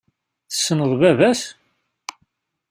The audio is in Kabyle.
Tessneḍ baba-s?